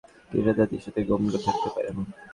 কিছুই তার দৃষ্টি থেকে গোপন থাকতে পারে না।